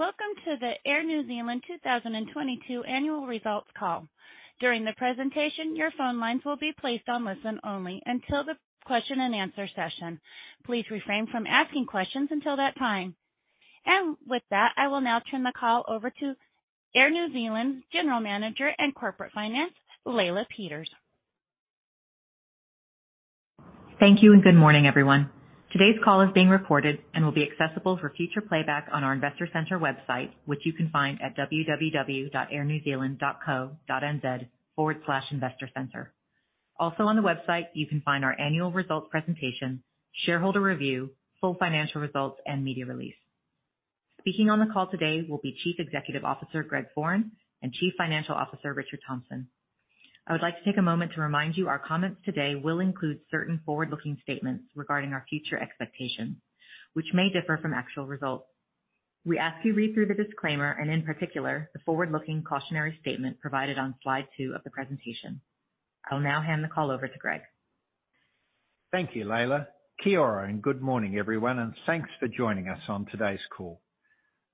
Welcome to the Air New Zealand 2022 annual results call. During the presentation, your phone lines will be placed on listen-only until the question and answer session. Please refrain from asking questions until that time. With that, I will now turn the call over to Air New Zealand General Manager of Corporate Finance, Leila Peters. Thank you and good morning, everyone. Today's call is being recorded and will be accessible for future playback on our investor center website, which you can find at www.airnewzealand.co.nz/investorcenter. Also on the website, you can find our annual results presentation, shareholder review, full financial results, and media release. Speaking on the call today will be Chief Executive Officer Greg Foran and Chief Financial Officer Richard Thompson. I would like to take a moment to remind you our comments today will include certain forward-looking statements regarding our future expectations, which may differ from actual results. We ask you read through the disclaimer and in particular, the forward-looking cautionary statement provided on slide two of the presentation. I'll now hand the call over to Greg. Thank you, Leila, Kia ora, and good morning everyone and thanks for joining us on today's call.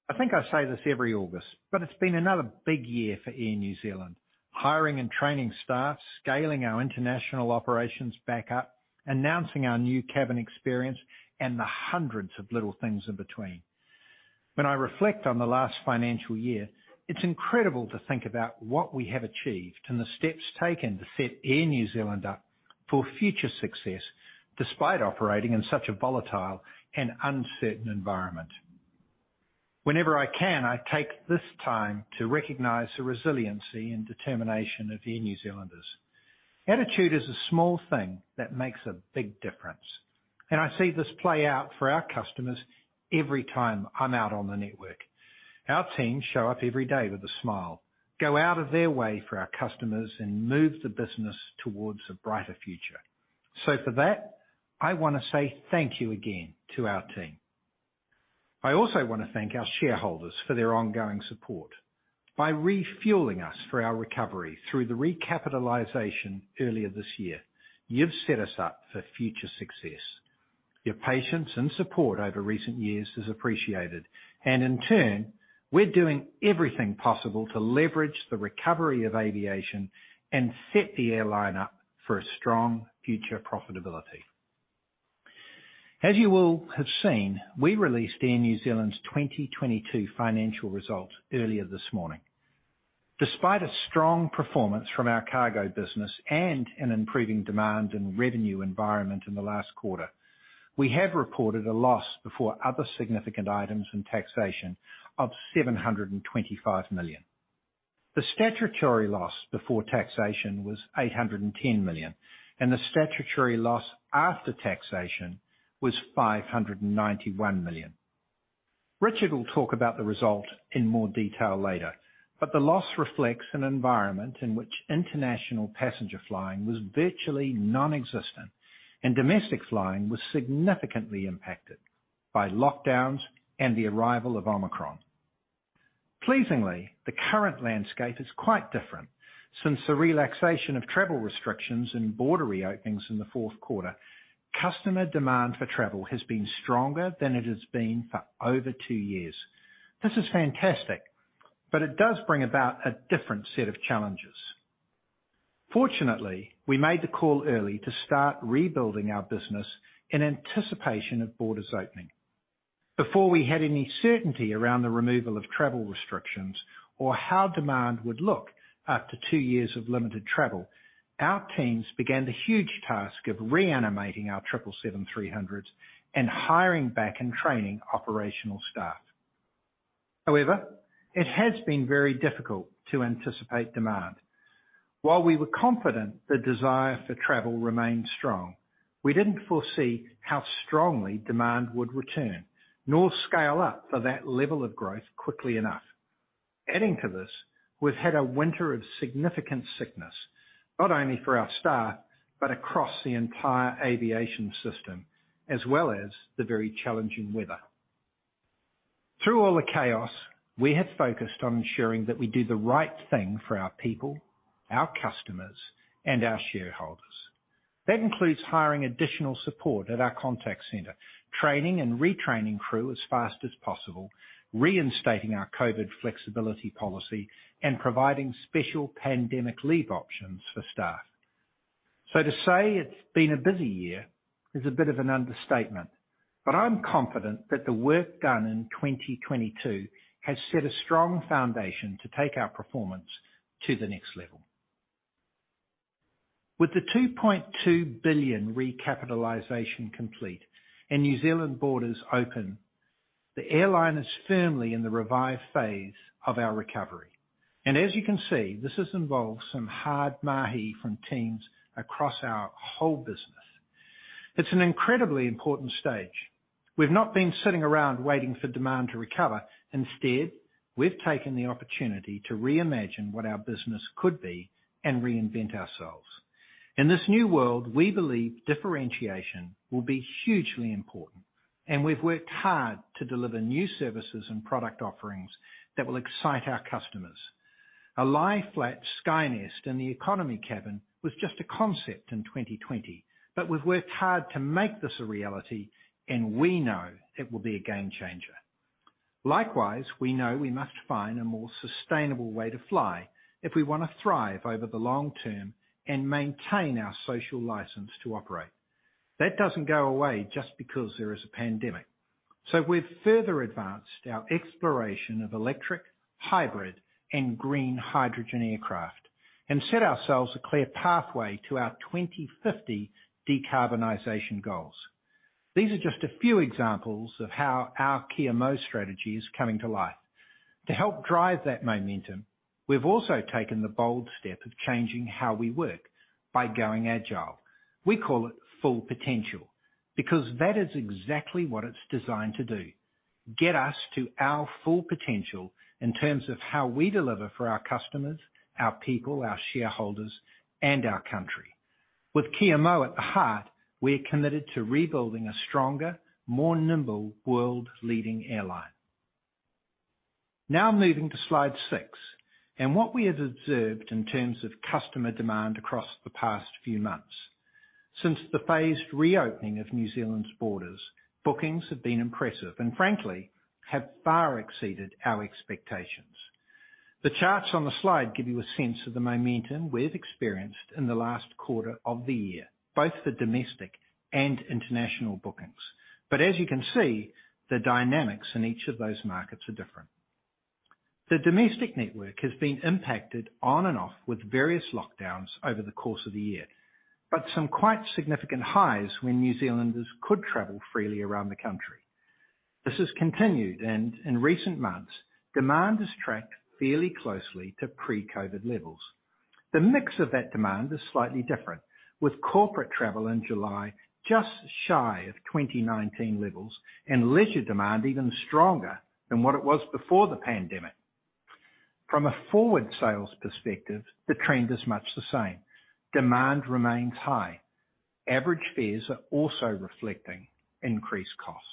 I think I say this every August, but it's been another big year for Air New Zealand. Hiring and training staff, scaling our international operations back up, announcing our new cabin experience, and the hundreds of little things in between. When I reflect on the last financial year, it's incredible to think about what we have achieved and the steps taken to set Air New Zealand up for future success, despite operating in such a volatile and uncertain environment. Whenever I can, I take this time to recognize the resiliency and determination of Air New Zealanders. Attitude is a small thing that makes a big difference and I see this play out for our customers every time I'm out on the network. Our teams show up every day with a smile, go out of their way for our customers, and move the business towards a brighter future. For that, I wanna say thank you again to our team. I also want to thank our shareholders for their ongoing support. By refueling us for our recovery through the recapitalization earlier this year, you've set us up for future success. Your patience and support over recent years is appreciated and in turn, we're doing everything possible to leverage the recovery of aviation and set the airline up for a strong future profitability. As you all have seen, we released Air New Zealand's 2022 financial results earlier this morning. Despite a strong performance from our cargo business and an improving demand in revenue environment in the last quarter, we have reported a loss before other significant items and taxation of 725 million. The statutory loss before taxation was 810 million and the statutory loss after taxation was 591 million. Richard will talk about the result in more detail later, but the loss reflects an environment in which international passenger flying was virtually nonexistent and domestic flying was significantly impacted by lockdowns and the arrival of Omicron. Pleasingly, the current landscape is quite different. Since the relaxation of travel restrictions and border re-openings in the fourth quarter, customer demand for travel has been stronger than it has been for over two years. This is fantastic, but it does bring about a different set of challenges. Fortunately, we made the call early to start rebuilding our business in anticipation of borders opening. Before we had any certainty around the removal of travel restrictions or how demand would look after two years of limited travel, our teams began the huge task of reanimating our 777-300s and hiring back and training operational staff. However, it has been very difficult to anticipate demand. While we were confident the desire for travel remained strong, we didn't foresee how strongly demand would return nor scale up for that level of growth quickly enough. Adding to this, we've had a winter of significant sickness, not only for our staff, but across the entire aviation system, as well as the very challenging weather. Through all the chaos, we have focused on ensuring that we do the right thing for our people, our customers, and our shareholders. That includes hiring additional support at our contact center, training and retraining crew as fast as possible, reinstating our COVID flexibility policy and providing special pandemic leave options for staff. To say it's been a busy year is a bit of an understatement, but I'm confident that the work done in 2022 has set a strong foundation to take our performance to the next level. With the 2.2 billion recapitalization complete and New Zealand borders open, the airline is firmly in the revive phase of our recovery. As you can see, this has involved some hard mahi from teams across our whole business. It's an incredibly important stage. We've not been sitting around waiting for demand to recover. Instead, we've taken the opportunity to reimagine what our business could be and reinvent ourselves. In this new world, we believe differentiation will be hugely important, and we've worked hard to deliver new services and product offerings that will excite our customers. A lie-flat Skynest in the economy cabin was just a concept in 2020. We've worked hard to make this a reality and we know it will be a game changer. Likewise, we know we must find a more sustainable way to fly if we wanna thrive over the long term and maintain our social license to operate. That doesn't go away just because there is a pandemic. We've further advanced our exploration of electric, hybrid, and green hydrogen aircraft and set ourselves a clear pathway to our 2050 decarbonization goals. These are just a few examples of how our Kia Mau strategy is coming to life. To help drive that momentum, we've also taken the bold step of changing how we work by going Agile. We call it Full Potential, because that is exactly what it's designed to do, get us to our full potential in terms of how we deliver for our customers, our people, our shareholders, and our country. With Kia Mau at the heart, we're committed to rebuilding a stronger, more nimble, world-leading airline. Now moving to slide six, and what we have observed in terms of customer demand across the past few months. Since the phased reopening of New Zealand's borders, bookings have been impressive and frankly, have far exceeded our expectations. The charts on the slide give you a sense of the momentum we've experienced in the last quarter of the year, both the domestic and international bookings. As you can see, the dynamics in each of those markets are different. The domestic network has been impacted on and off with various lockdowns over the course of the year, but some quite significant highs when New Zealanders could travel freely around the country. This has continued and in recent months, demand has tracked fairly closely to pre-COVID levels. The mix of that demand is slightly different, with corporate travel in July just shy of 2019 levels and leisure demand even stronger than what it was before the pandemic. From a forward sales perspective, the trend is much the same. Demand remains high. Average fares are also reflecting increased costs.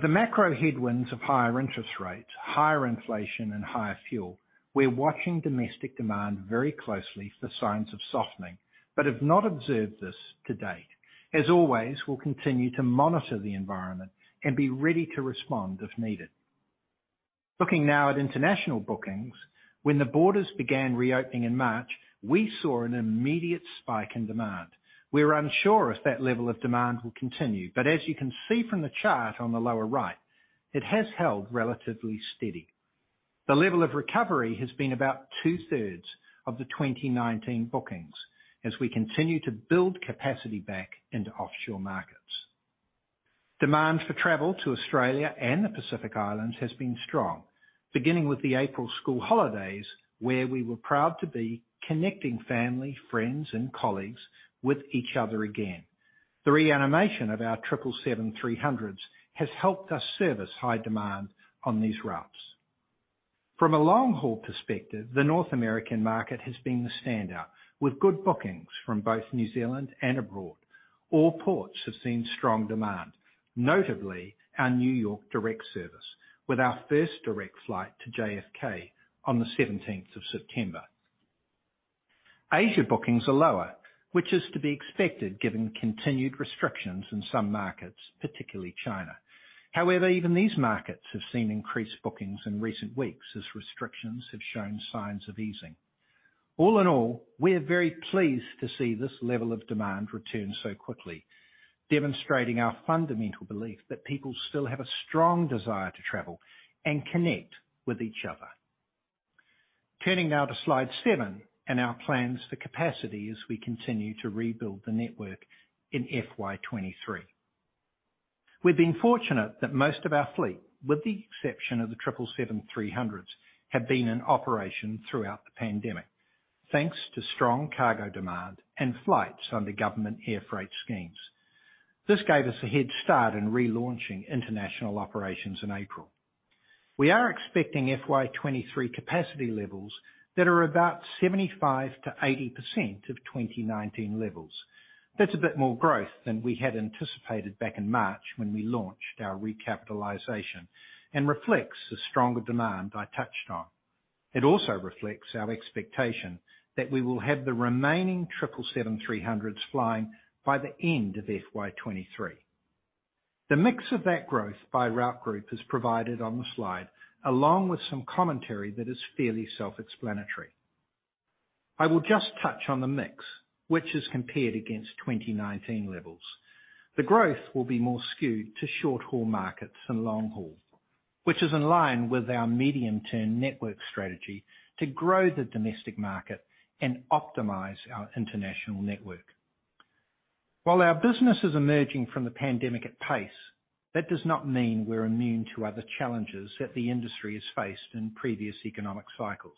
The macro headwinds of higher interest rates, higher inflation, and higher fuel. We're watching domestic demand very closely for signs of softening, but have not observed this to date. As always, we'll continue to monitor the environment and be ready to respond if needed. Looking now at international bookings. When the borders began re-opening in March, we saw an immediate spike in demand. We're unsure if that level of demand will continue, but as you can see from the chart on the lower right, it has held relatively steady. The level of recovery has been about two-thirds of the 2019 bookings as we continue to build capacity back into offshore markets. Demand for travel to Australia and the Pacific Islands has been strong, beginning with the April school holidays, where we were proud to be connecting family, friends, and colleagues with each other again. The reanimation of our 777-300s has helped us service high demand on these routes. From a long-haul perspective, the North American market has been the standout with good bookings from both New Zealand and abroad. All ports have seen strong demand, notably our New York direct service with our first direct flight to JFK on the 17th of September. Asia bookings are lower, which is to be expected given continued restrictions in some markets, particularly China. However, even these markets have seen increased bookings in recent weeks as restrictions have shown signs of easing. All in all, we are very pleased to see this level of demand return so quickly, demonstrating our fundamental belief that people still have a strong desire to travel and connect with each other. Turning now to slide seven and our plans for capacity as we continue to rebuild the network in FY 2023. We've been fortunate that most of our fleet, with the exception of the triple seven three hundreds, have been in operation throughout the pandemic. Thanks to strong cargo demand and flights under government air freight schemes. This gave us a head start in relaunching international operations in April. We are expecting FY 2023 capacity levels that are about 75%-80% of 2019 levels. That's a bit more growth than we had anticipated back in March when we launched our recapitalization and reflects the stronger demand I touched on. It also reflects our expectation that we will have the remaining 777-300s flying by the end of FY 2023. The mix of that growth by route group is provided on the slide, along with some commentary that is fairly self-explanatory. I will just touch on the mix, which is compared against 2019 levels. The growth will be more skewed to short-haul markets than long haul, which is in line with our medium-term network strategy to grow the domestic market and optimize our international network. While our business is emerging from the pandemic at pace, that does not mean we're immune to other challenges that the industry has faced in previous economic cycles.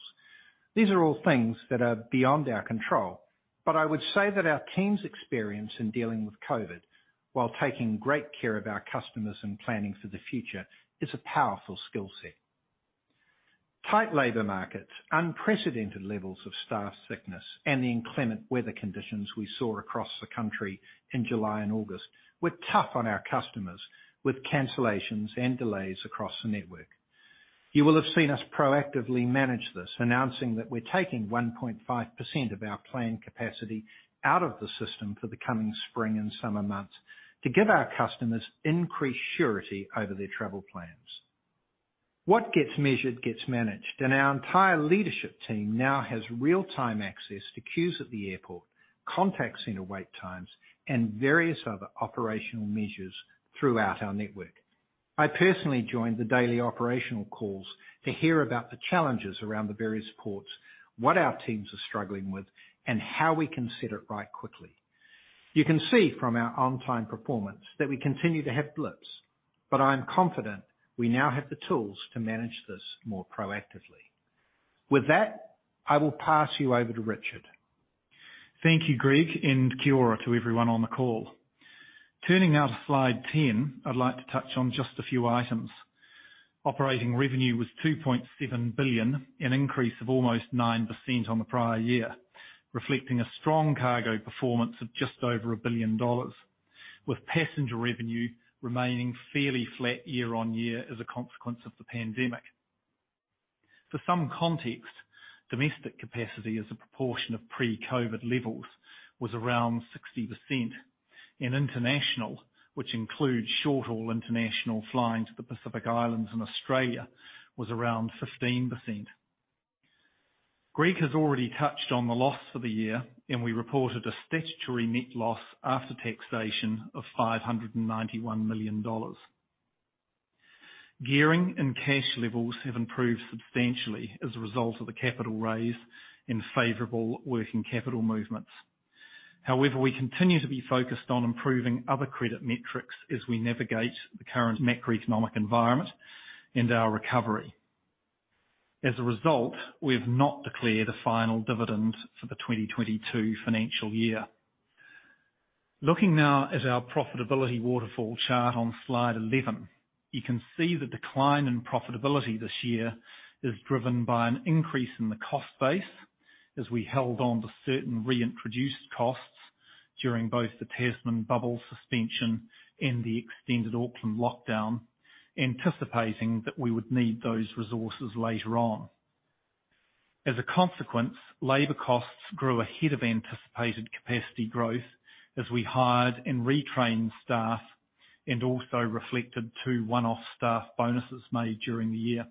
These are all things that are beyond our control. I would say that our team's experience in dealing with COVID while taking great care of our customers and planning for the future is a powerful skill set. Tight labor markets, unprecedented levels of staff sickness, and the inclement weather conditions we saw across the country in July and August were tough on our customers with cancellations and delays across the network. You will have seen us proactively manage this, announcing that we're taking 1.5% of our planned capacity out of the system for the coming spring and summer months to give our customers increased surety over their travel plans. What gets measured gets managed, and our entire leadership team now has real-time access to queues at the airport, contact center wait times, and various other operational measures throughout our network. I personally joined the daily operational calls to hear about the challenges around the various ports, what our teams are struggling with and how we can set it right quickly. You can see from our on-time performance that we continue to have blips but I am confident we now have the tools to manage this more proactively. With that, I will pass you over to Richard. Thank you, Greg, and kia ora to everyone on the call. Turning now to slide 10, I'd like to touch on just a few items. Operating revenue was 2.7 billion, an increase of almost 9% on the prior year, reflecting a strong cargo performance of just over 1 billion dollars, with passenger revenue remaining fairly flat year-on-year as a consequence of the pandemic. For some context, domestic capacity as a proportion of pre-COVID levels was around 60%. In international, which includes short-haul international flying to the Pacific Islands and Australia, was around 15%. Greg has already touched on the loss for the year, and we reported a statutory net loss after taxation of 591 million dollars. Gearing and cash levels have improved substantially as a result of the capital raise and favorable working capital movements. However, we continue to be focused on improving other credit metrics as we navigate the current macroeconomic environment and our recovery. As a result, we have not declared a final dividend for the 2022 financial year. Looking now at our profitability waterfall chart on slide 11, you can see the decline in profitability this year is driven by an increase in the cost base as we held on to certain reintroduced costs during both the Tasman bubble suspension and the extended Auckland lockdown, anticipating that we would need those resources later on. As a consequence, labor costs grew ahead of anticipated capacity growth as we hired and retrained staff and also reflected two one-off staff bonuses made during the year.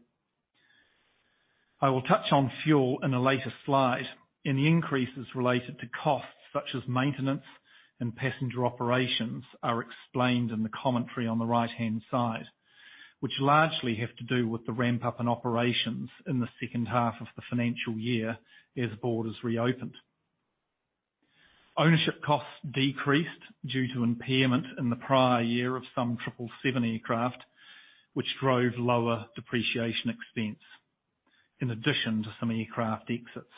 I will touch on fuel in a later slide and the increases related to costs such as maintenance and passenger operations are explained in the commentary on the right-hand side, which largely have to do with the ramp-up in operations in the second half of the financial year as borders reopened. Ownership costs decreased due to impairment in the prior year of some 777 aircraft, which drove lower depreciation expense in addition to some aircraft exits.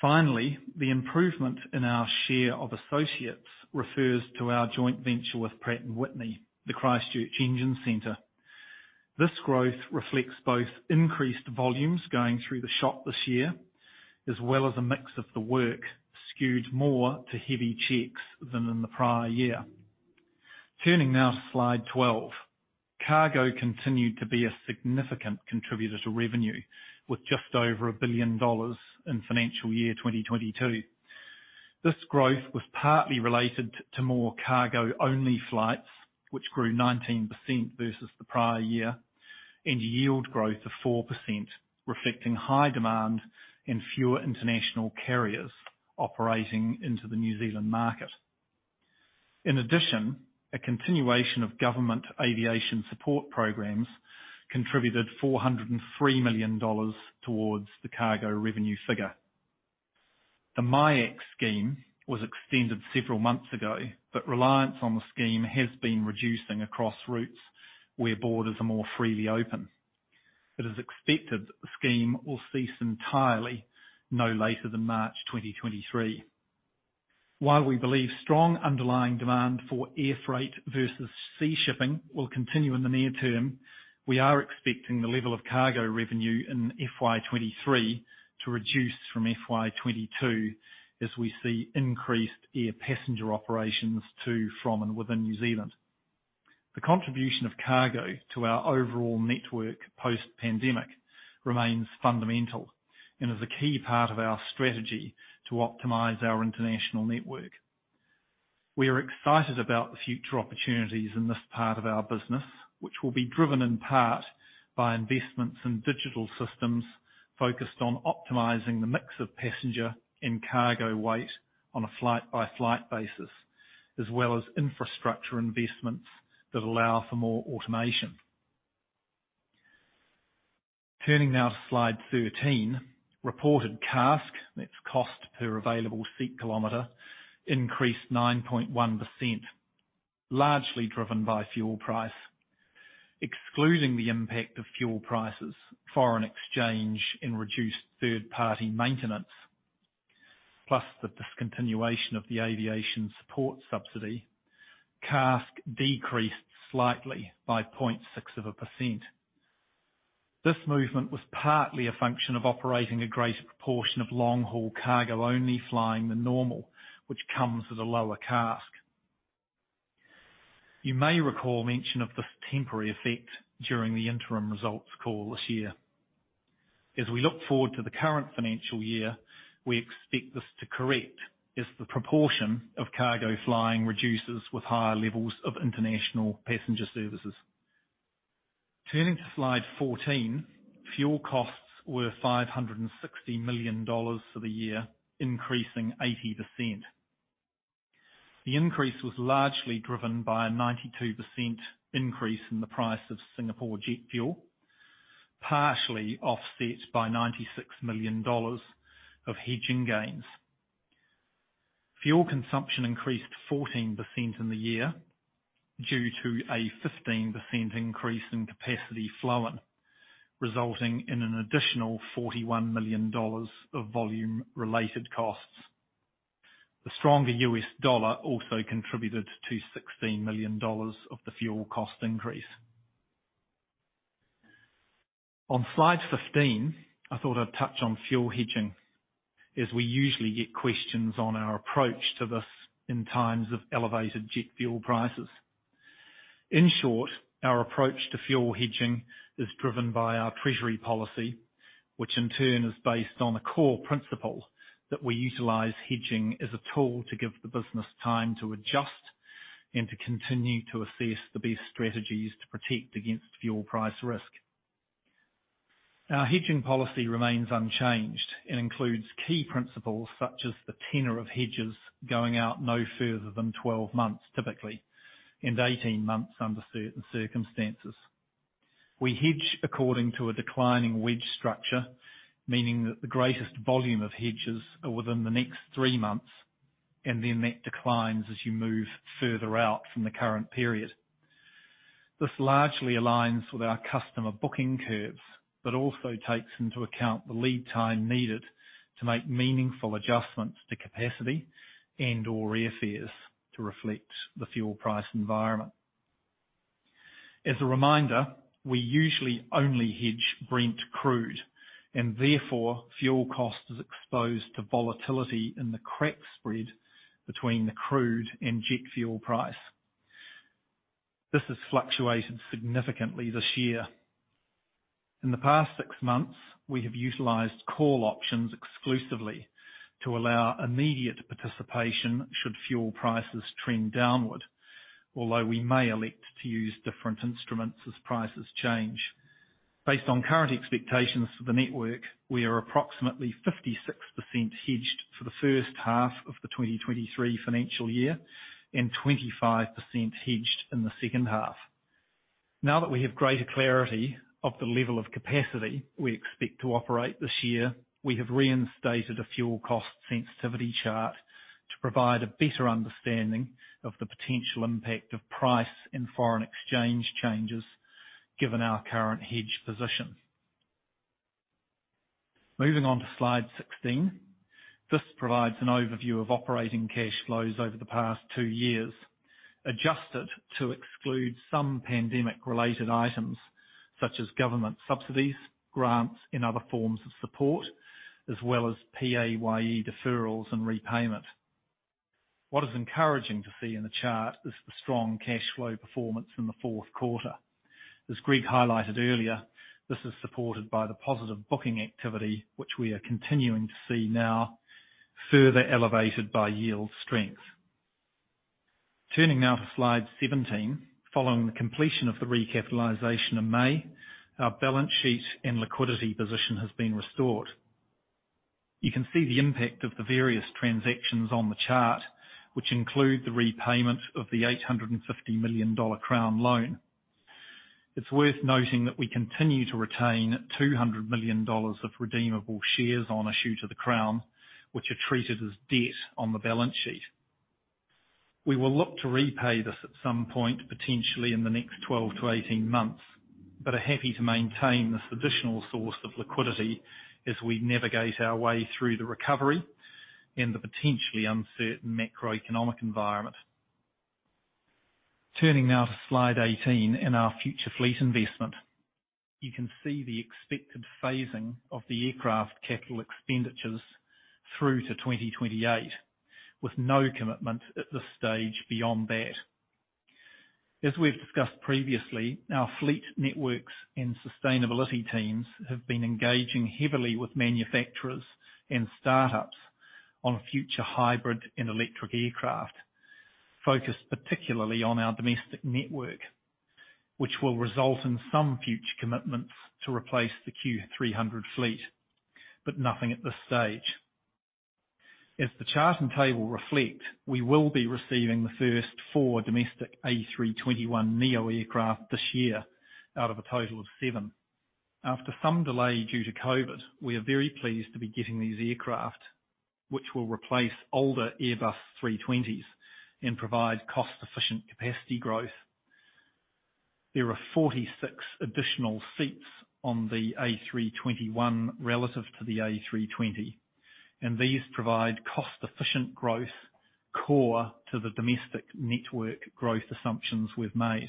Finally, the improvement in our share of associates refers to our joint venture with Pratt & Whitney, the Christchurch Engine Centre. This growth reflects both increased volumes going through the shop this year, as well as a mix of the work skewed more to heavy checks than in the prior year. Turning now to slide 12. Cargo continued to be a significant contributor to revenue with just over 1 billion dollars in financial year 2022. This growth was partly related to more cargo-only flights, which grew 19% versus the prior year, and yield growth of 4%, reflecting high demand and fewer international carriers operating into the New Zealand market. In addition, a continuation of government aviation support programs contributed 403 million dollars towards the cargo revenue figure. The MIEC scheme was extended several months ago, but reliance on the scheme has been reducing across routes where borders are more freely open. It is expected the scheme will cease entirely no later than March 2023. While we believe strong underlying demand for air freight versus sea shipping will continue in the near term, we are expecting the level of cargo revenue in FY 2023 to reduce from FY 2022 as we see increased air passenger operations to, from, and within New Zealand. The contribution of cargo to our overall network post-pandemic remains fundamental and is a key part of our strategy to optimize our international network. We are excited about the future opportunities in this part of our business, which will be driven in part by investments in digital systems focused on optimizing the mix of passenger and cargo weight on a flight-by-flight basis, as well as infrastructure investments that allow for more automation. Turning now to slide 13. Reported CASK, that's cost per available seat kilometer, increased 9.1%, largely driven by fuel price. Excluding the impact of fuel prices, foreign exchange, and reduced third-party maintenance, plus the discontinuation of the aviation support subsidy, CASK decreased slightly by 0.6%. This movement was partly a function of operating a greater proportion of long-haul cargo only flying than normal, which comes with a lower CASK. You may recall mention of this temporary effect during the interim results call this year. As we look forward to the current financial year, we expect this to correct as the proportion of cargo flying reduces with higher levels of international passenger services. Turning to slide 14, fuel costs were 560 million dollars for the year, increasing 80%. The increase was largely driven by a 92% increase in the price of Singapore jet fuel, partially offset by 96 million dollars of hedging gains. Fuel consumption increased 14% in the year due to a 15% increase in capacity flown, resulting in an additional 41 million dollars of volume related costs. The stronger US dollar also contributed to $16 million of the fuel cost increase. On slide 15, I thought I'd touch on fuel hedging, as we usually get questions on our approach to this in times of elevated jet fuel prices. In short, our approach to fuel hedging is driven by our treasury policy, which in turn is based on a core principle that we utilize hedging as a tool to give the business time to adjust and to continue to assess the best strategies to protect against fuel price risk. Our hedging policy remains unchanged and includes key principles such as the tenor of hedges going out no further than 12 months, typically, and 18 months under certain circumstances. We hedge according to a declining wedge structure, meaning that the greatest volume of hedges are within the next three months and then that declines as you move further out from the current period. This largely aligns with our customer booking curves, but also takes into account the lead time needed to make meaningful adjustments to capacity and/or airfares to reflect the fuel price environment. As a reminder, we usually only hedge Brent crude and therefore fuel cost is exposed to volatility in the crack spread between the crude and jet fuel price. This has fluctuated significantly this year. In the past six months, we have utilized call options exclusively to allow immediate participation should fuel prices trend downward. Although, we may elect to use different instruments as prices change. Based on current expectations for the network, we are approximately 56% hedged for the first half of the 2023 financial year and 25% hedged in the second half. Now that we have greater clarity of the level of capacity we expect to operate this year, we have reinstated a fuel cost sensitivity chart to provide a better understanding of the potential impact of price and foreign exchange changes given our current hedge position. Moving on to slide 16. This provides an overview of operating cash flows over the past two years, adjusted to exclude some pandemic-related items such as government subsidies, grants, and other forms of support, as well as PAYE deferrals and repayment. What is encouraging to see in the chart is the strong cash flow performance in the fourth quarter. As Greg highlighted earlier, this is supported by the positive booking activity, which we are continuing to see now further elevated by yield strength. Turning now to slide 17. Following the completion of the recapitalization in May, our balance sheet and liquidity position has been restored. You can see the impact of the various transactions on the chart, which include the repayment of the 850 million dollar Crown loan. It's worth noting that we continue to retain 200 million dollars of redeemable shares on issue to the Crown, which are treated as debt on the balance sheet. We will look to repay this at some point, potentially in the next 12-18 months, but are happy to maintain this additional source of liquidity as we navigate our way through the recovery and the potentially uncertain macroeconomic environment. Turning now to slide 18 and our future fleet investment. You can see the expected phasing of the aircraft capital expenditures through to 2028, with no commitment at this stage beyond that. As we've discussed previously, our fleet networks and sustainability teams have been engaging heavily with manufacturers and startups on future hybrid and electric aircraft, focused particularly on our domestic network, which will result in some future commitments to replace the Q300 fleet, but nothing at this stage. As the chart and table reflect, we will be receiving the first four domestic A321neo aircraft this year out of a total of seven. After some delay due to COVID, we are very pleased to be getting these aircraft, which will replace older Airbus 320s and provide cost-efficient capacity growth. There are 46 additional seats on the A321 relative to the A320, and these provide cost-efficient growth key to the domestic network growth assumptions we've made.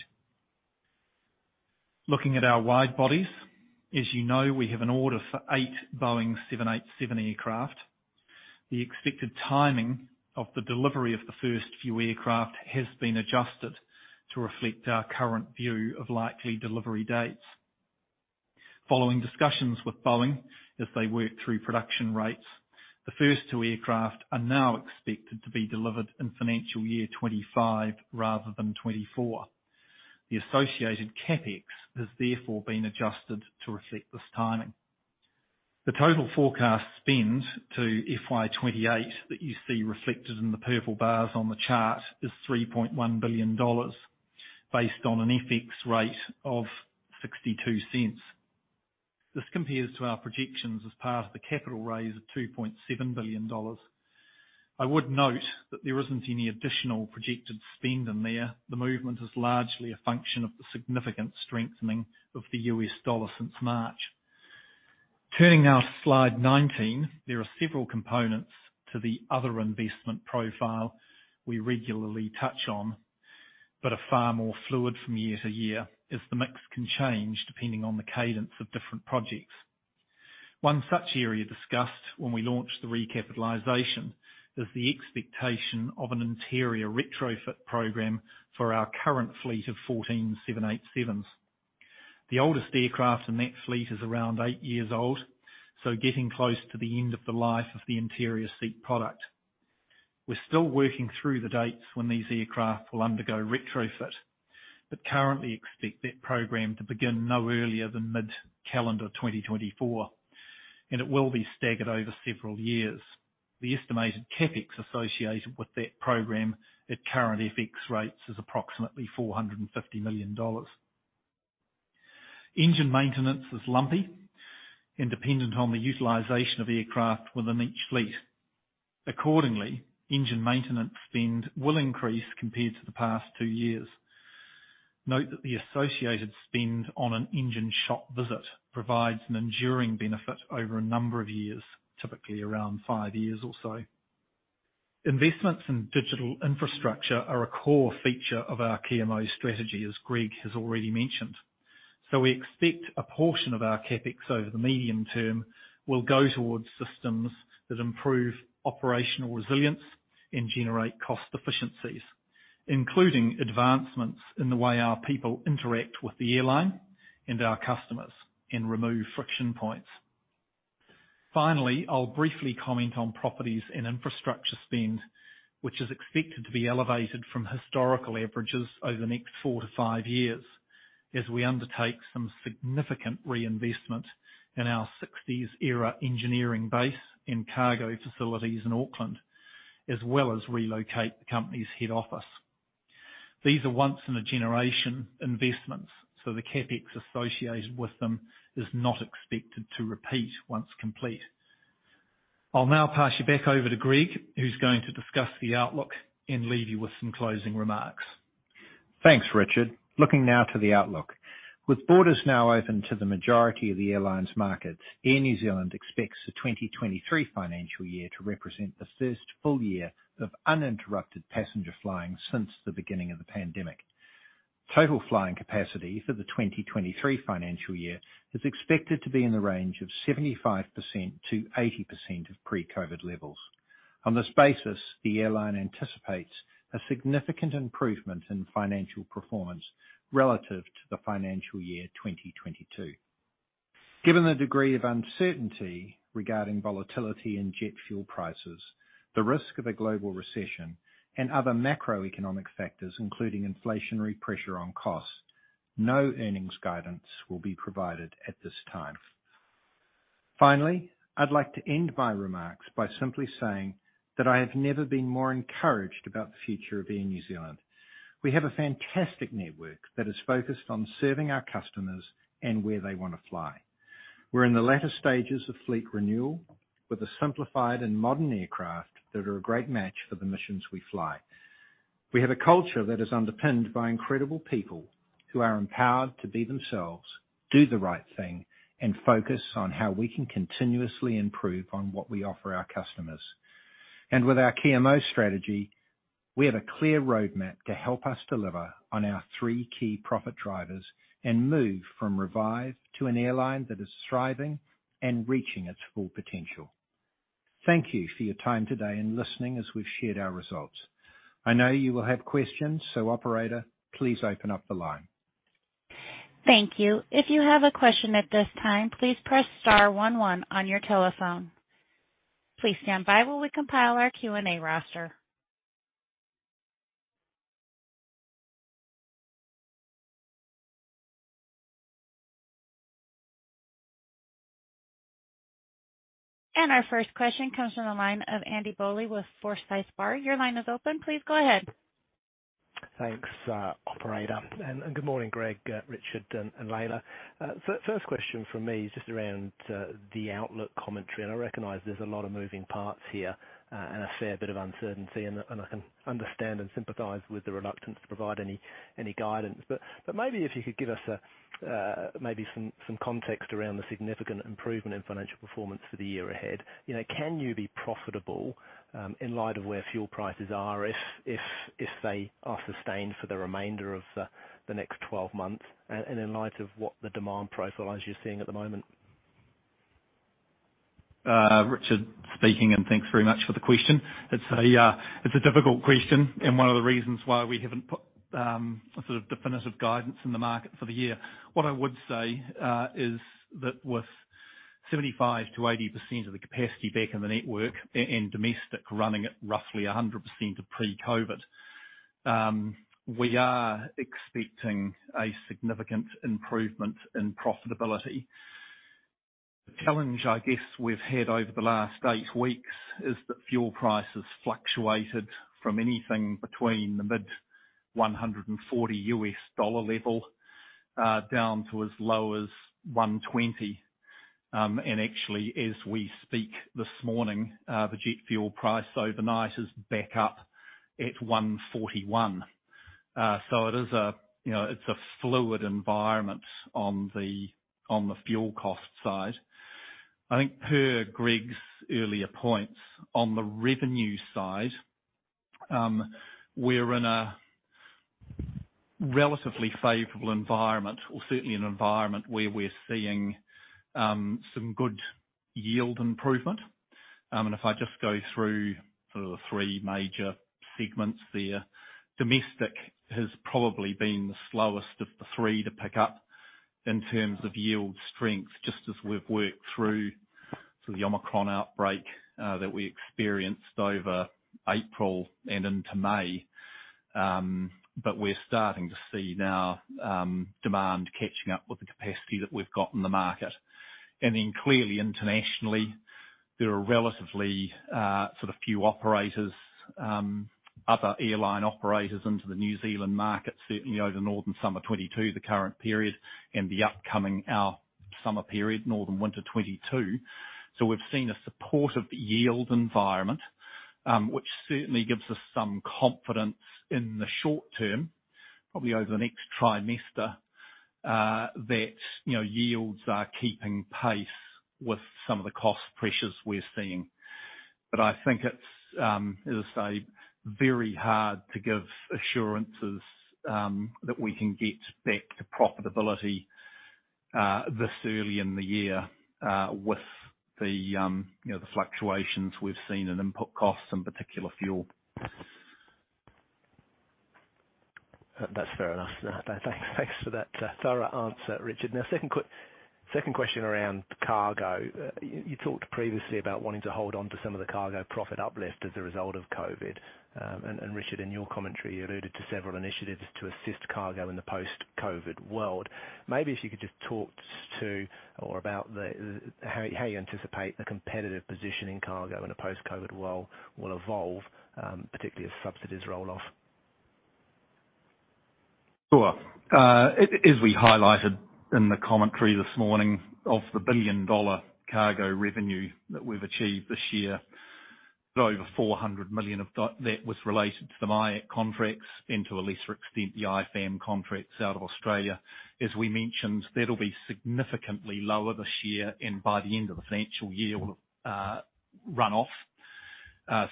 Looking at our wide bodies. As you know, we have an order for eight Boeing 787 aircraft. The expected timing of the delivery of the first few aircraft has been adjusted to reflect our current view of likely delivery dates. Following discussions with Boeing as they work through production rates, the first two aircraft are now expected to be delivered in financial year 2025 rather than 2024. The associated CapEx has therefore been adjusted to reflect this timing. The total forecast spend to FY 2028 that you see reflected in the purple bars on the chart is $3.1 billion based on an FX rate of 0.62. This compares to our projections as part of the capital raise of 2.7 billion dollars. I would note that there isn't any additional projected spend in there. The movement is largely a function of the significant strengthening of the US dollar since March. Turning now to slide 19, there are several components to the other investment profile we regularly touch on, but are far more fluid from year to year as the mix can change depending on the cadence of different projects. One such area discussed when we launched the recapitalization is the expectation of an interior retrofit program for our current fleet of 14 Boeing 787s. The oldest aircraft in that fleet is around eight years old, so getting close to the end of the life of the interior seat product. We're still working through the dates when these aircraft will undergo retrofit, but currently expect that program to begin no earlier than mid-calendar 2024, and it will be staggered over several years. The estimated CapEx associated with that program at current FX rates is approximately 450 million dollars. Engine maintenance is lumpy and dependent on the utilization of aircraft within each fleet. Accordingly, engine maintenance spend will increase compared to the past two years. Note that the associated spend on an engine shop visit provides an enduring benefit over a number of years, typically around five years or so. Investments in digital infrastructure are a core feature of our Kia Mau strategy, as Greg has already mentioned. We expect a portion of our CapEx over the medium term will go towards systems that improve operational resilience and generate cost efficiencies, including advancements in the way our people interact with the airline and our customers and remove friction points. Finally, I'll briefly comment on properties and infrastructure spend, which is expected to be elevated from historical averages over the next four to five years as we undertake some significant reinvestment in our 1960s-era engineering base and cargo facilities in Auckland, as well as relocate the company's head office. These are once in a generation investments, so the CapEx associated with them is not expected to repeat once complete. I'll now pass you back over to Greg, who's going to discuss the outlook and leave you with some closing remarks. Thanks, Richard. Looking now to the outlook. With borders now open to the majority of the airline's markets, Air New Zealand expects the 2023 financial year to represent the first full year of uninterrupted passenger flying since the beginning of the pandemic. Total flying capacity for the 2023 financial year is expected to be in the range of 75%-80% of pre-COVID levels. On this basis, the airline anticipates a significant improvement in financial performance relative to the financial year 2022. Given the degree of uncertainty regarding volatility in jet fuel prices, the risk of a global recession and other macroeconomic factors, including inflationary pressure on costs, no earnings guidance will be provided at this time. Finally, I'd like to end my remarks by simply saying that I have never been more encouraged about the future of Air New Zealand. We have a fantastic network that is focused on serving our customers and where they want to fly. We're in the latter stages of fleet renewal with a simplified and modern aircraft that are a great match for the missions we fly. We have a culture that is underpinned by incredible people who are empowered to be themselves, do the right thing, and focus on how we can continuously improve on what we offer our customers. With our Kia Mau strategy, we have a clear roadmap to help us deliver on our three key profit drivers and move from revive to an airline that is thriving and reaching its full potential. Thank you for your time today and listening as we've shared our results. I know you will have questions, so operator, please open up the line. Thank you. If you have a question at this time, please press star one one on your telephone. Please stand by while we compile our Q&A roster. Our first question comes from the line of Andy Bowley with Forsyth Barr. Your line is open. Please go ahead. Thanks, operator, and good morning, Greg, Richard, and Leila. First question from me is just around the outlook commentary and I recognize there's a lot of moving parts here and a fair bit of uncertainty. I can understand and sympathize with the reluctance to provide any guidance. Maybe if you could give us maybe some context around the significant improvement in financial performance for the year ahead. You know, can you be profitable in light of where fuel prices are, if they are sustained for the remainder of the next 12 months and in light of what the demand profile is you're seeing at the moment? Richard speaking, thanks very much for the question. It's a difficult question, and one of the reasons why we haven't put a sort of definitive guidance in the market for the year. What I would say is that with 75%-80% of the capacity back in the network and domestic running at roughly 100% of pre-COVID, we are expecting a significant improvement in profitability. The challenge, I guess, we've had over the last eight weeks is that fuel prices fluctuated from anything between the mid $140 US dollar level down to as low as $120. Actually, as we speak this morning, the jet fuel price overnight is back up at $141. It is, you know, a fluid environment on the fuel cost side. I think per Greg's earlier points on the revenue side, we're in a relatively favorable environment, or certainly an environment where we're seeing some good yield improvement. If I just go through the three major segments there. Domestic has probably been the slowest of the three to pick up in terms of yield strength, just as we've worked through the Omicron outbreak that we experienced over April and into May. We're starting to see now demand catching up with the capacity that we've got in the market. Clearly internationally, there are relatively sort of few operators other airline operators into the New Zealand market, certainly over northern summer 2022, the current period, and the upcoming summer period, northern winter 2022. We've seen a supportive yield environment, which certainly gives us some confidence in the short term, probably over the next trimester, that, you know, yields are keeping pace with some of the cost pressures we're seeing. I think it's, as I say, very hard to give assurances that we can get back to profitability this early in the year, with the, you know, the fluctuations we've seen in input costs in particular, fuel. That's fair enough. Thanks for that thorough answer, Richard. Now, second question around cargo. You talked previously about wanting to hold on to some of the cargo profit uplift as a result of COVID. Richard, in your commentary, you alluded to several initiatives to assist cargo in the post-COVID world. Maybe if you could just talk to or about the how you anticipate the competitive position in cargo in a post-COVID world will evolve, particularly as subsidies roll off. Sure. As we highlighted in the commentary this morning, of the billion-dollar cargo revenue that we've achieved this year, over 400 million of that was related to the MIEC contracts and to a lesser extent, the IFAM contracts out of Australia. As we mentioned, that'll be significantly lower this year, and by the end of the financial year will run off. That's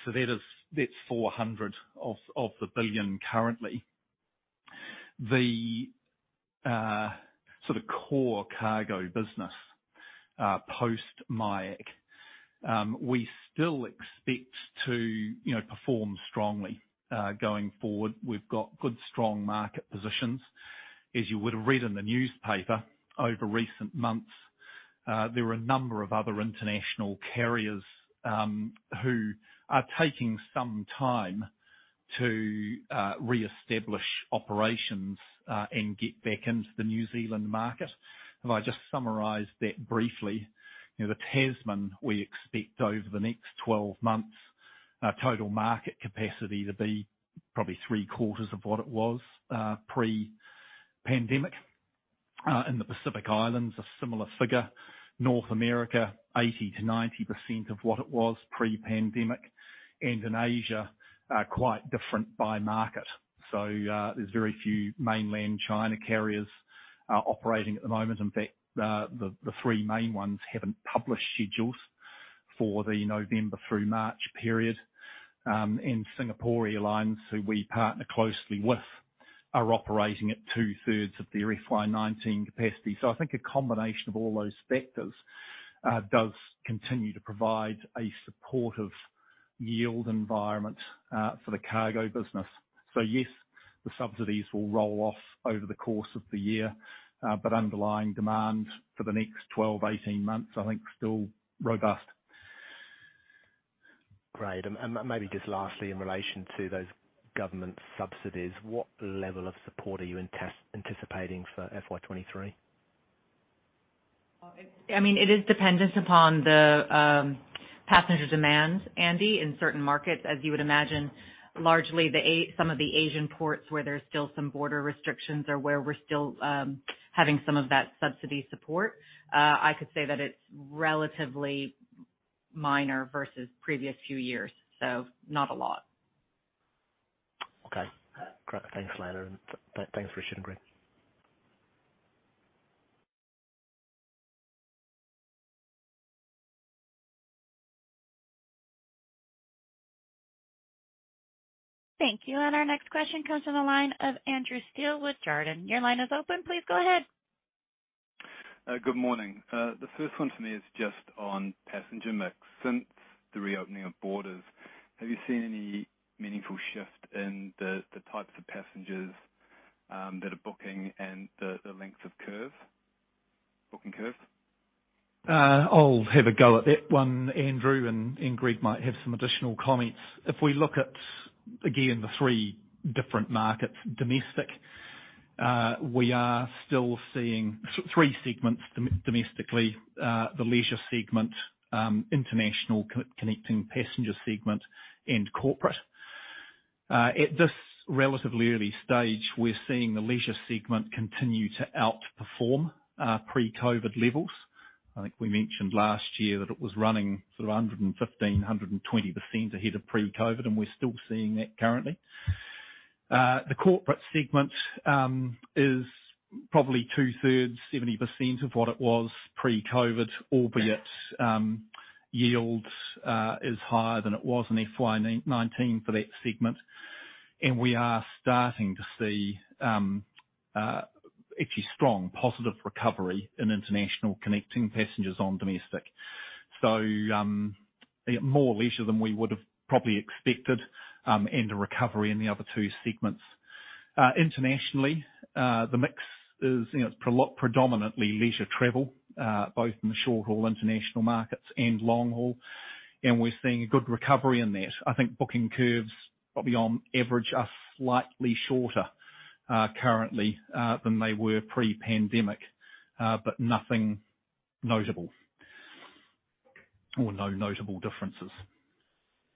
400 of the billion currently. The sort of core cargo business, post MIEC, we still expect to, you know, perform strongly going forward. We've got good, strong market positions. As you would have read in the newspaper over recent months, there are a number of other international carriers who are taking some time to reestablish operations and get back into the New Zealand market. If I just summarize that briefly, you know, the Tasman, we expect over the next 12 months total market capacity to be probably three-quarters of what it was pre-pandemic. In the Pacific Islands, a similar figure. North America, 80%-90% of what it was pre-pandemic. In Asia, quite different by market. There's very few mainland China carriers operating at the moment. In fact, the three main ones haven't published schedules for the November through March period. Singapore Airlines, who we partner closely with, are operating at two-thirds of their FY 2019 capacity. I think a combination of all those factors does continue to provide a supportive yield environment for the cargo business. Yes, the subsidies will roll off over the course of the year but underlying demand for the next 12-18 months, I think still robust. Great. Maybe just lastly, in relation to those government subsidies, what level of support are you anticipating for FY 2023? I mean, it is dependent upon the passenger demands, Andy, in certain markets. As you would imagine, some of the Asian ports where there's still some border restrictions are where we're still having some of that subsidy support. I could say that it's relatively minor versus previous few years, so not a lot. Okay. Great. Thanks, Leila. Thanks Richard and Greg. Thank you. Our next question comes from the line of Andrew Steele with Jarden. Your line is open. Please go ahead. Good morning. The first one for me is just on passenger mix. Since the reopening of borders, have you seen any meaningful shift in the types of passengers that are booking and the lengths of booking curves? I'll have a go at that one Andrew, and Greg might have some additional comments. If we look at, again, the three different markets domestic, we are still seeing three segments domestically, the leisure segment, international connecting passenger segment and corporate. At this relatively early stage, we're seeing the leisure segment continue to outperform pre-COVID levels. I think we mentioned last year that it was running sort of 115-120% ahead of pre-COVID, and we're still seeing that currently. The corporate segment is probably two-thirds, 70% of what it was pre-COVID, albeit yields is higher than it was in FY 2019 for that segment. We are starting to see actually strong positive recovery in international connecting passengers on domestic. More leisure than we would have probably expected, and a recovery in the other two segments. Internationally, the mix is, you know, predominantly leisure travel, both in the short-haul international markets and long-haul, and we're seeing a good recovery in that. I think booking curves probably on average are slightly shorter, currently, than they were pre-pandemic, but nothing notable or no notable differences.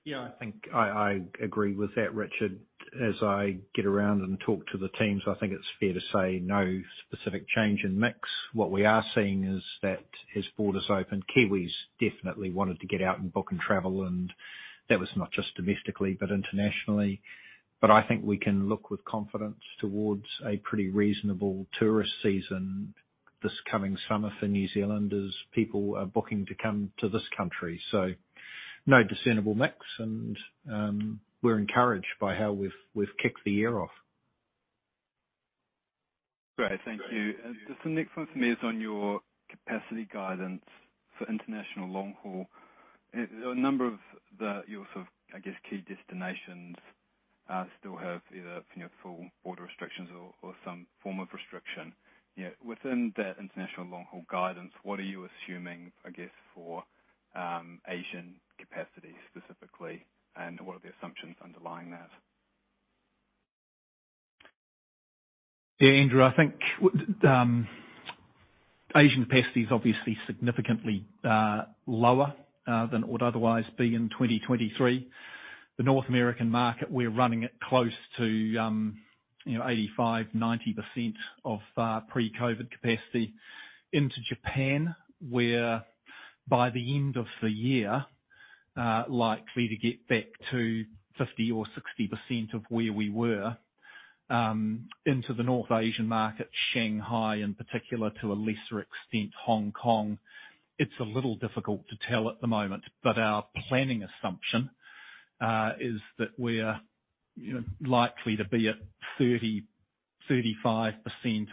Yeah, I think I agree with that, Richard. As I get around and talk to the teams, I think it's fair to say no specific change in mix. What we are seeing is that as borders open, Kiwis definitely wanted to get out and book and travel and that was not just domestically but internationally. I think we can look with confidence towards a pretty reasonable tourist season this coming summer for New Zealand as people are booking to come to this country. No discernible mix, and we're encouraged by how we've kicked the year off. Great. Thank you. Just the next one from me is on your capacity guidance for international long haul. A number of the, your sort of, I guess, key destinations still have either, you know, full border restrictions or some form of restriction. You know, within that international long haul guidance, what are you assuming, I guess, for Asian capacity specifically and what are the assumptions underlying that? Yeah, Andrew, I think Asian capacity is obviously significantly lower than it would otherwise be in 2023. The North American market, we're running at close to, you know, 85%-90% of pre-COVID capacity. Into Japan, we're, by the end of the year, likely to get back to 50% or 60% of where we were. Into the North Asian market, Shanghai in particular, to a lesser extent Hong Kong, it's a little difficult to tell at the moment. But our planning assumption is that we're, you know, likely to be at 30%-35%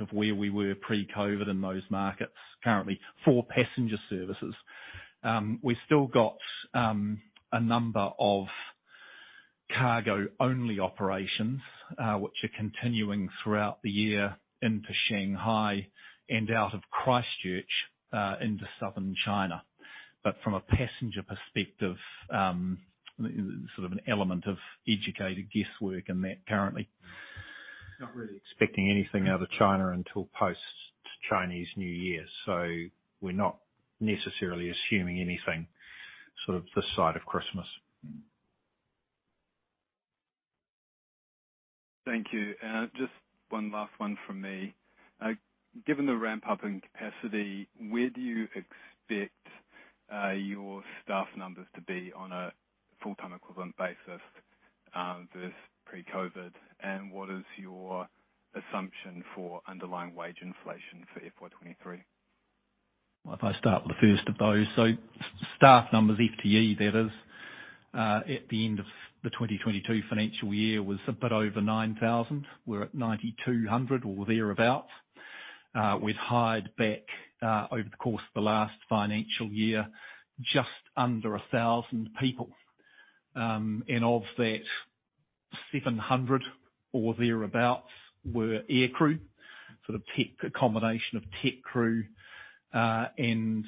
of where we were pre-COVID in those markets currently for passenger services. We've still got a number of cargo-only operations which are continuing throughout the year into Shanghai and out of Christchurch into southern China. From a passenger perspective, sort of an element of educated guesswork in that currently. Not really expecting anything out of China until post-Chinese New Year, so we're not necessarily assuming anything sort of this side of Christmas. Thank you. Just one last one from me. Given the ramp-up in capacity, where do you expect your staff numbers to be on a full-time equivalent basis, versus pre-COVID? What is your assumption for underlying wage inflation for FY 2023? If I start with the first of those. Staff numbers, FTE that in at the end of the 2022 financial year was a bit over 9,000. We're at 9,200 or thereabouts. We'd hired back over the course of the last financial year, just under 1,000 people. And of that, 700 or thereabouts were air crew, sort of tech, a combination of tech crew, and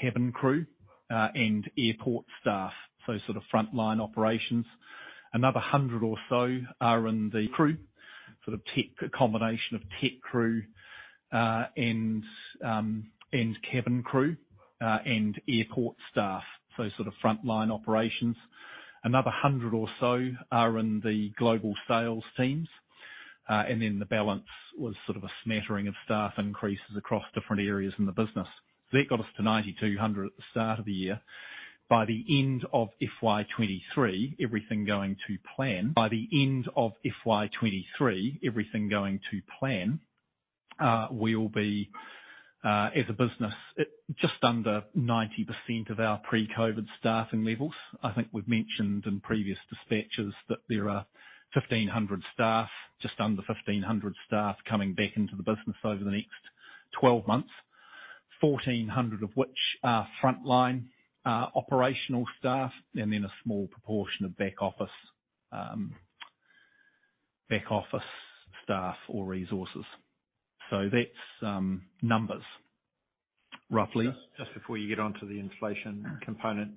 cabin crew, and airport staff. Frontline operations. Another 100 or so are in the crew, sort of tech, a combination of tech crew, and cabin crew, and airport staff, those sort of frontline operations. Another 100 or so are in the global sales teams. Then the balance was sort of a smattering of staff increases across different areas in the business. That got us to 9,200 at the start of the year. By the end of FY 2023, everything going to plan, we will be, as a business, at just under 90% of our pre-COVID staffing levels. I think we've mentioned in previous dispatches that there are 1,500 staff, just under 1,500 staff coming back into the business over the next 12 months. 1,400 of which are frontline, operational staff and then a small proportion of back office staff or resources. That's numbers roughly. Just before you get onto the inflation component.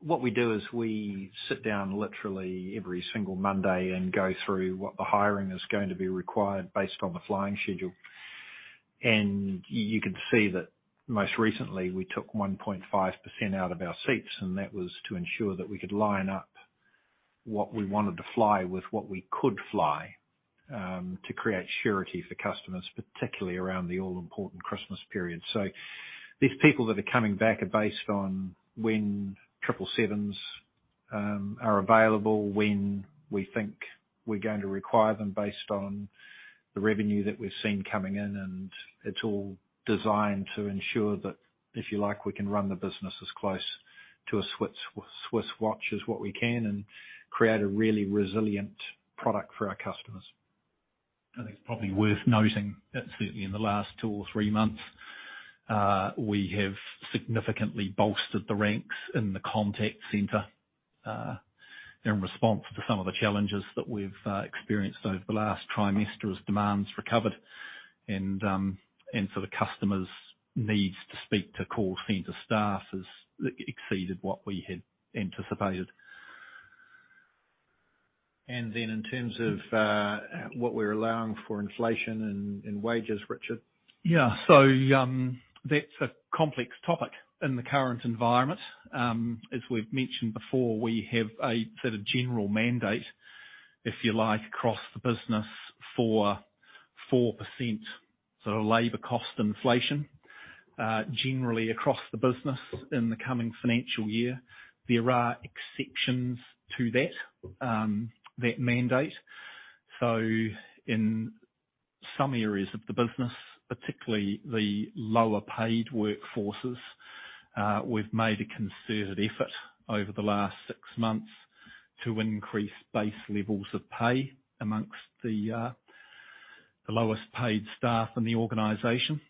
What we do is we sit down literally every single Monday and go through what the hiring is going to be required based on the flying schedule. You can see that most recently we took 1.5% out of our seats, and that was to ensure that we could line up what we wanted to fly with what we could fly, to create surety for customers, particularly around the all-important Christmas period. These people that are coming back are based on when triple sevens are available, when we think we're going to require them based on the revenue that we've seen coming in, and it's all designed to ensure that, if you like, we can run the business as close to a Swiss watch as what we can and create a really resilient product for our customers. I think it's probably worth noting that certainly in the last two or three months, we have significantly bolstered the ranks in the contact center in response to some of the challenges that we've experienced over the last trimester as demand's recovered. The customers' needs to speak to call center staff has exceeded what we had anticipated. In terms of what we're allowing for inflation and wages, Richard. That's a complex topic in the current environment. As we've mentioned before, we have a sort of general mandate, if you like, across the business for 4%, so labor cost inflation generally across the business in the coming financial year. There are exceptions to that mandate. In some areas of the business, particularly the lower paid workforces, we've made a concerted effort over the last six months to increase base levels of pay among the lowest paid staff in the organization.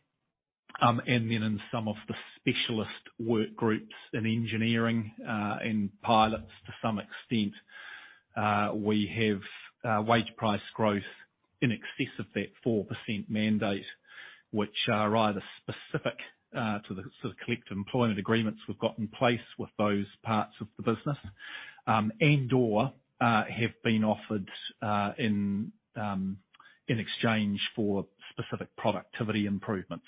In some of the specialist work groups in engineering, and pilots to some extent, we have wage price growth in excess of that 4% mandate, which are either specific to the sort of collective employment agreements we've got in place with those parts of the business, and/or have been offered in exchange for specific productivity improvements.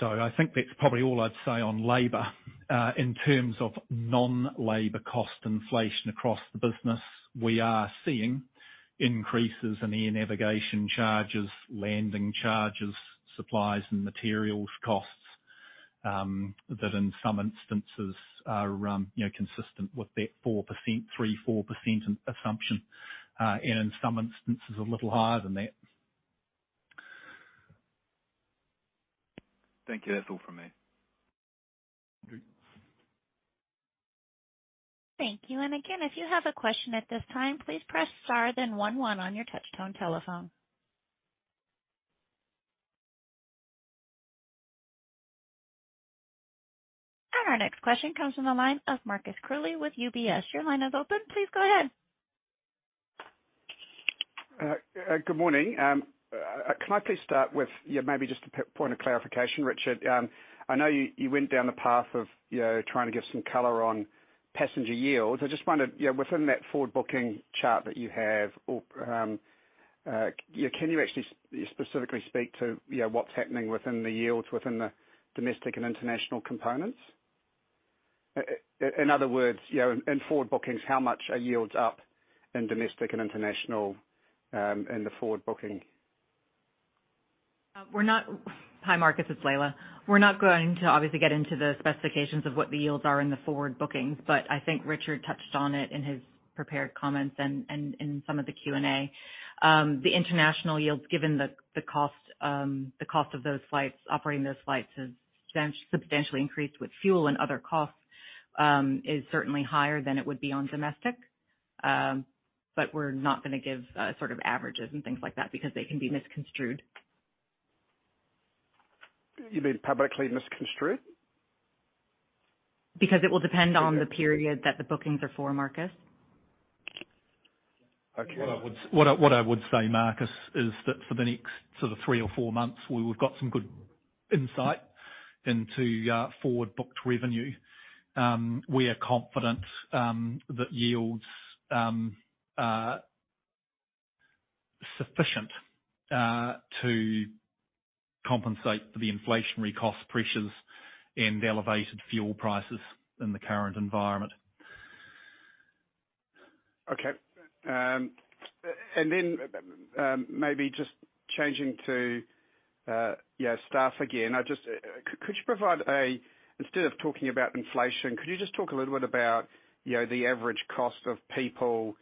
I think that's probably all I'd say on labor. In terms of non-labor cost inflation across the business, we are seeing increases in air navigation charges, landing charges, supplies and materials costs, that in some instances are, you know, consistent with that 4%, 3%-4% assumption, and in some instances a little higher than that. Thank you. That's all from me. Andrew. Thank you. Again, if you have a question at this time, please press star then one one on your touchtone telephone. Our next question comes from the line of Marcus Curley with UBS. Your line is open. Please go ahead. Good morning. Can I please start with, yeah, maybe just a point of clarification, Richard. I know you went down the path of, you know, trying to give some color on passenger yields. I just wondered, you know, within that forward booking chart that you have, or yeah, can you actually specifically speak to, you know, what's happening within the yields within the domestic and international components? In other words, you know, in forward bookings, how much are yields up in domestic and international, in the forward booking? Hi, Marcus, it's Leila. We're not going to obviously get into the specifications of what the yields are in the forward bookings, but I think Richard touched on it in his prepared comments and in some of the Q&A. The international yields, given the cost of those flights, operating those flights has substantially increased with fuel and other costs, is certainly higher than it would be on domestic. We're not gonna give sort of averages and things like that because they can be misconstrued. You mean publicly misconstrued? Because it will depend on the period that the bookings are for, Marcus. Okay. What I would say, Marcus, is that for the next sort of three or four months, we've got some good insight into forward booked revenue. We are confident that yields are sufficient to compensate for the inflationary cost pressures and elevated fuel prices in the current environment. Maybe just changing to staff again. I just could you provide instead of talking about inflation. Could you just talk a little bit about, you know, the average cost of people, you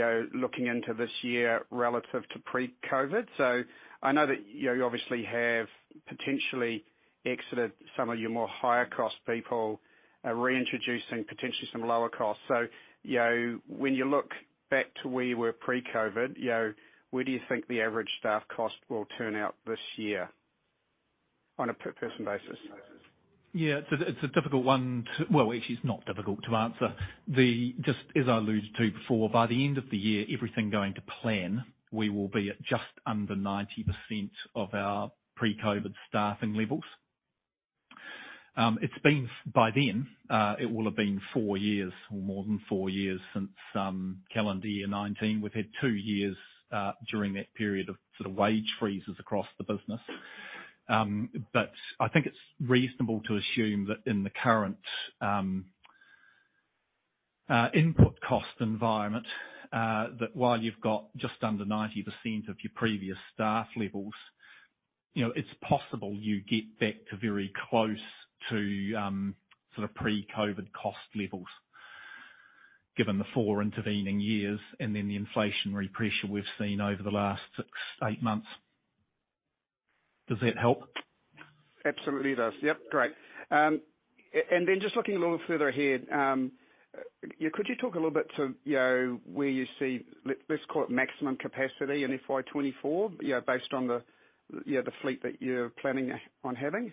know, looking into this year relative to pre-COVID? I know that, you know, you obviously have potentially exited some of your more higher cost people, reintroducing potentially some lower costs. You know, when you look back to where you were pre-COVID, you know, where do you think the average staff cost will turn out this year on a per person basis? Yeah. Well, actually, it's not difficult to answer. Just as I alluded to before, by the end of the year, everything going to plan, we will be at just under 90% of our pre-COVID staffing levels. It's been. By then, it will have been four years or more than four years since calendar year 2019. We've had two years during that period of sort of wage freezes across the business. But I think it's reasonable to assume that in the current input cost environment, that while you've got just under 90% of your previous staff levels, you know, it's possible you get back to very close to sort of pre-COVID cost levels, given the four intervening years and then the inflationary pressure we've seen over the last six, eight months. Does that help? Absolutely it does. Yep, great. Just looking a little further ahead, could you talk a little bit to, you know, where you see, let's call it maximum capacity in FY 2024, you know, based on the, you know, the fleet that you're planning on having?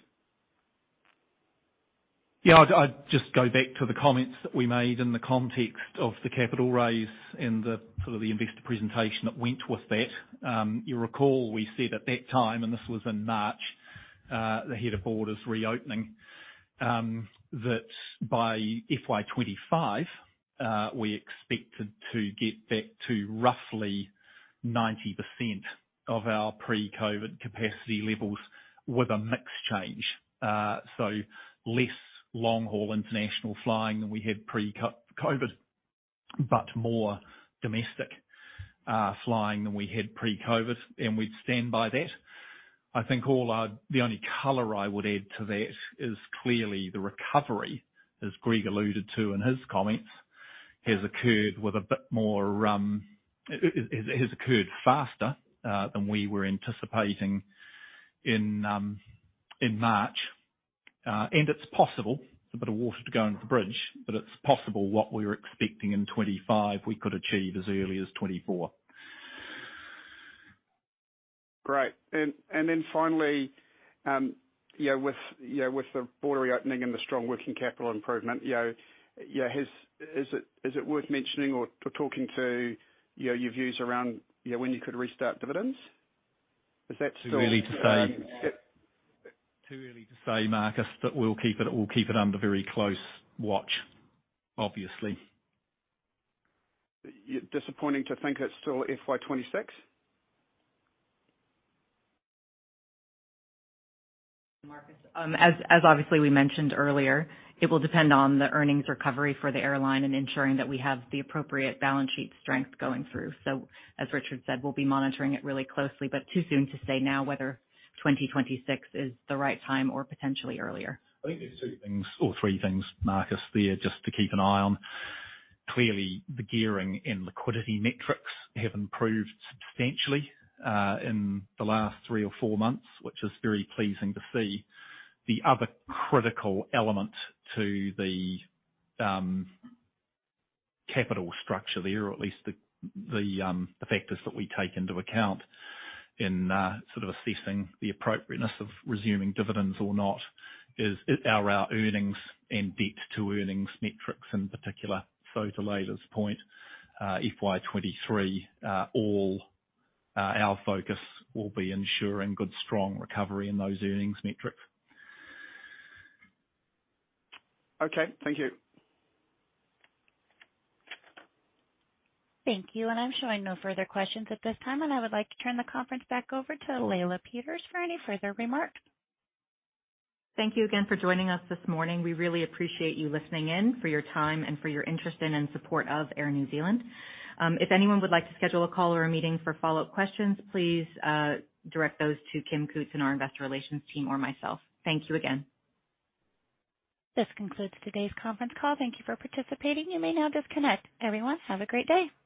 Yeah. I'd just go back to the comments that we made in the context of the capital raise and the sort of the investor presentation that went with that. You'll recall we said at that time, and this was in March, ahead of borders reopening, that by FY 2025, we expected to get back to roughly 90% of our pre-COVID capacity levels with a mix change. So less long-haul international flying than we had pre-COVID, but more domestic flying than we had pre-COVID, and we stand by that. The only color I would add to that is clearly the recovery, as Greg alluded to in his comments, has occurred with a bit more, it has occurred faster than we were anticipating in March. It's possible, a bit of water to go under the bridge, but it's possible what we were expecting in 2025, we could achieve as early as 2024. Great. Finally, you know, with the border reopening and the strong working capital improvement, you know, yeah, is it worth mentioning or talking to, you know, your views around, you know, when you could restart dividends? Is that still? Too early to say, Marcus. We'll keep it under very close watch, obviously. Disappointing to think it's still FY 2026. Marcus, as obviously we mentioned earlier, it will depend on the earnings recovery for the airline and ensuring that we have the appropriate balance sheet strength going through. As Richard said, we'll be monitoring it really closely, but too soon to say now whether 2026 is the right time or potentially earlier. I think there's two things or three things, Marcus, there just to keep an eye on. Clearly, the gearing and liquidity metrics have improved substantially in the last three or four months, which is very pleasing to see. The other critical element to the capital structure there, or at least the factors that we take into account in sort of assessing the appropriateness of resuming dividends or not are our earnings and debt to earnings metrics in particular. To Leila's point, FY 2023, all our focus will be ensuring good, strong recovery in those earnings metrics. Okay. Thank you. Thank you. I'm showing no further questions at this time, and I would like to turn the conference back over to Leila Peters for any further remarks. Thank you again for joining us this morning. We really appreciate you listening in for your time and for your interest in and support of Air New Zealand. If anyone would like to schedule a call or a meeting for follow-up questions, please, direct those to Kim Cootes in our investor relations team or myself. Thank you again. This concludes today's conference call. Thank you for participating. You may now disconnect. Everyone, have a great day.